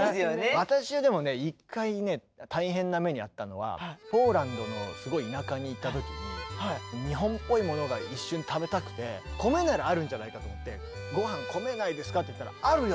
私はでもね一回ね大変な目に遭ったのはポーランドのすごい田舎に行った時に日本っぽいものが一瞬食べたくて米ならあるんじゃないかと思って「ご飯米ないですか？」って言ったら「あるよ」